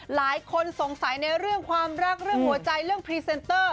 หลายคนสงสัยในเรื่องความรักเรื่องหัวใจเรื่องพรีเซนเตอร์